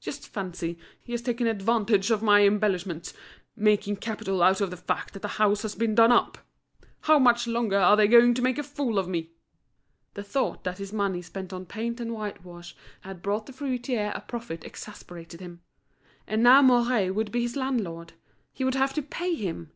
Just fancy, he has taken advantage of my embellishments, making capital out of the fact that the house has been done up. How much longer are they going to make a fool of me?" The thought that his money spent on paint and white wash had brought the fruiterer a profit exasperated him. And now Mouret would be his landlord; he would have to pay him!